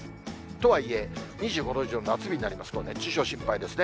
とはいえ、２５度以上の夏日になりますと熱中症心配ですね。